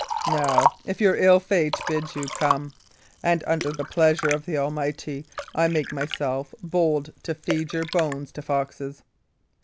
"Now, if your ill fate bids you, come; and, under the pleasure of the Almighty, I make myself bold to feed your bones to foxes."